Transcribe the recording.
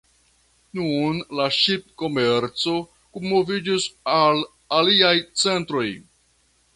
Nun la ŝipkomerco moviĝis al aliaj centroj.